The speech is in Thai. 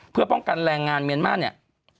เพื่อป้องกันแรงงานเมียนมาร์เนี่ย